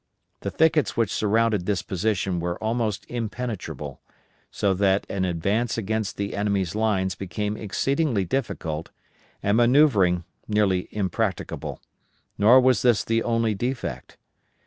The thickets which surrounded this position were almost impenetrable, so that an advance against the enemy's lines became exceedingly difficult and manoeuvring nearly impracticable, nor was this the only defect.